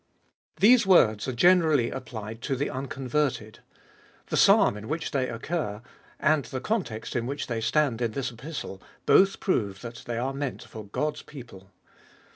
THESE words are generally applied to the unconverted ; the Psalm in which they occur, and the context in which they stand in this Epistle, both prove that they are meant for God's people.